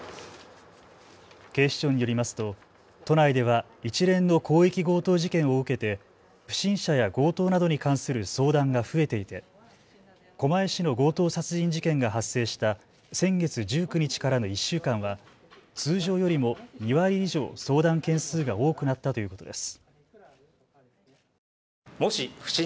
警視庁によりますと都内では一連の広域強盗事件を受けて不審者や強盗などに関する相談が増えていて狛江市の強盗殺人事件が発生した先月１９日からの１週間は通常よりも２割以上、相談件数が多くなったということです。